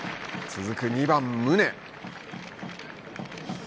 続く２番宗。